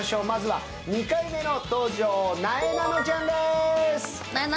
まずは２回目の登場、なえなのちゃんです。